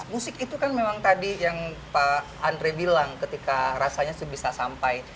musik itu kan memang tadi yang pak andre bilang ketika rasanya bisa sampai